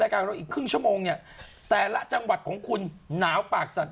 การเราอีกครึ่งชั่วโมงเนี่ยแต่ละจังหวัดของคุณหนาวปากสั่น